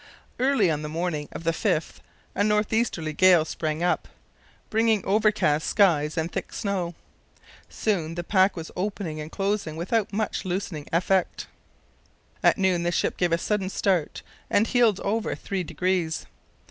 Early on the morning of the 5th a north easterly gale sprang up, bringing overcast skies and thick snow. Soon the pack was opening and closing without much loosening effect. At noon the ship gave a sudden start and heeled over three degrees.